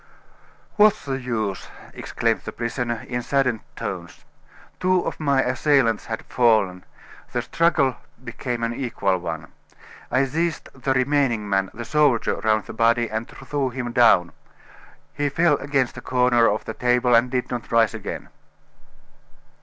"What's the use?" exclaimed the prisoner, in saddened tones. "Two of my assailants had fallen; the struggle became an equal one. I seized the remaining man, the soldier, round the body, and threw him down. He fell against a corner of the table, and did not rise again."